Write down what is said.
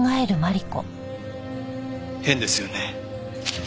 変ですよね。